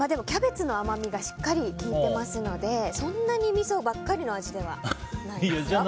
キャベツの甘みがしっかり効いてますのでそんなにみそばかりの味ではないです。